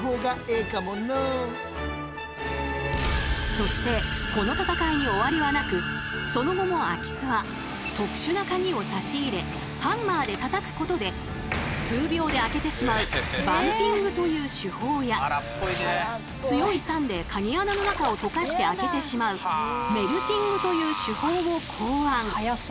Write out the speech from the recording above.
そしてこの戦いに終わりはなくその後も空き巣は特殊なカギを差し入れハンマーでたたくことで数秒で開けてしまうバンピングという手法や強い酸でカギ穴の中を溶かして開けてしまうメルティングという手法を考案。